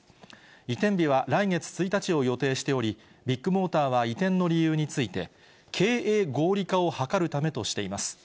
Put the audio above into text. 移転日は来月１日を予定しており、ビッグモーターは移転の理由について、経営合理化を図るためとしています。